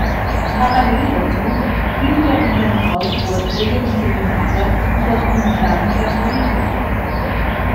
Parallel dazu hielt er in seinem Haus Vorträge und Seminare über „Grundlagen der Politik“.